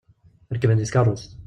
Rekben deg tkerrust.